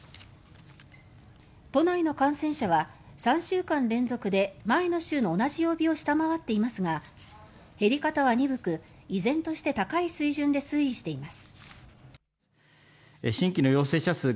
都内の感染者は、３週間連続で前の週の同じ曜日を下回っていますが減り方は鈍く依然として高い水準で推移しています。